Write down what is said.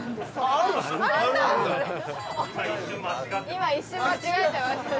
今一瞬間違えてました